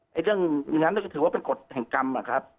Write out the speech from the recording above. อย่างนั้นก็ถือว่าเป็นกฎแห่งกรรมครับ